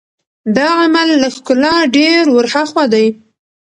دا عمل له ښکلا ډېر ور هاخوا دی.